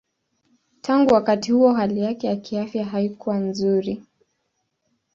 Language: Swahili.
Tangu wakati huo hali yake ya kiafya haikuwa nzuri.